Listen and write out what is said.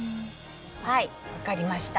はい分かりました。